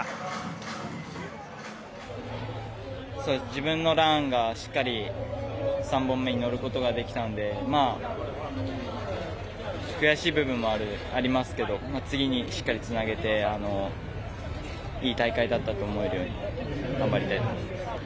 自分のランがしっかり３本目に乗ることができたので悔しい部分もありますけど次にしっかりつなげていい大会だったと思えるように頑張りたいと思います。